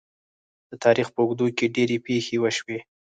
د تاریخ په اوږدو کې ډیرې پېښې وشوې.